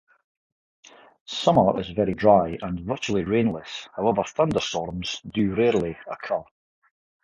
Summer is very dry and virtually rainless, however thunderstorms do rarely occur.